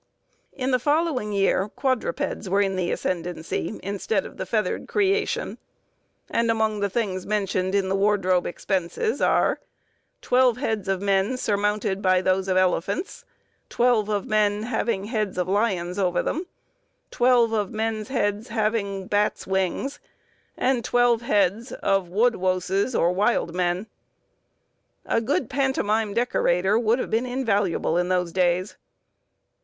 In the following year, quadrupeds were in the ascendancy, instead of the feathered creation, and amongst the things mentioned in the wardrobe expenses are, twelve heads of men, surmounted by those of elephants; twelve of men, having heads of lions over them; twelve of men's heads, having bats' wings; and, twelve heads of wodewoses, or wildmen. A good pantomime decorator would have been invaluable in those days.